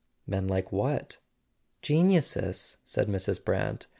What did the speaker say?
" Men like what ?'* "Geniuses," said Mrs. Brant.